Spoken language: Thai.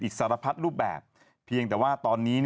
สารพัดรูปแบบเพียงแต่ว่าตอนนี้